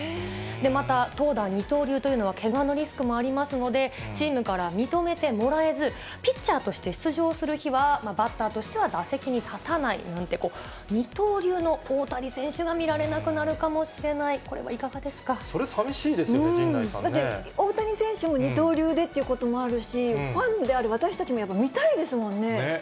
また投打二刀流というのは、けがのリスクもありますので、チームから認めてもらえず、ピッチャーとして出場する日はバッターとしては打席に立たないなんて、二刀流の大谷選手が見られなくなるかもしれない、これはいそれ、寂しいですよね、大谷選手も二刀流でってこともあるし、ファンである私たちもやっぱり見たいですものね。